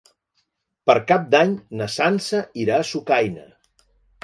Per Cap d'Any na Sança irà a Sucaina.